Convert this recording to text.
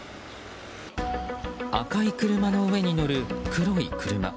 赤い車の上に載る黒い車。